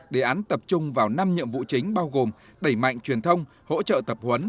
đề án tập trung vào năm nhiệm vụ chính bao gồm đẩy mạnh truyền thông hỗ trợ tập huấn